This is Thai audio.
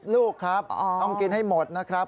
ลูกครับต้องกินให้หมดนะครับ